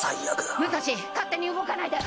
武蔵勝手に動かないで！